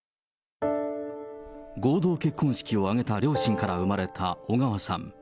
合同結婚式を挙げた両親から生まれた小川さん。